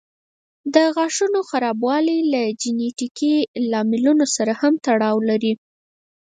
د غاښونو خرابوالی له جینيټیکي لاملونو سره هم تړاو لري.